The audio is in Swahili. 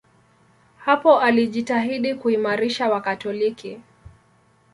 Hapo alijitahidi kuimarisha Wakatoliki.